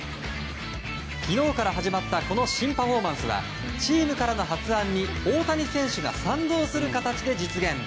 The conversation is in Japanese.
昨日から始まったこの新パフォーマンスはチームからの発案に大谷選手が賛同する形で実現。